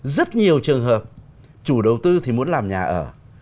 rất nhiều trường hợp chủ đầu tư thì muốn làm nhà ở